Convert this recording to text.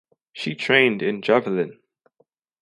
She trained in javelin.